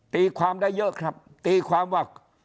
ตีความได้เยอะครับตีความว่า